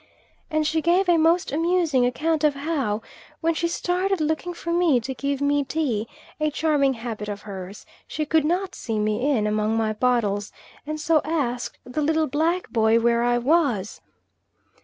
And she gave a most amusing account of how, when she started looking for me to give me tea, a charming habit of hers, she could not see me in among my bottles, and so asked the little black boy where I was.